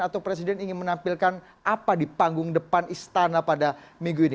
atau presiden ingin menampilkan apa di panggung depan istana pada minggu ini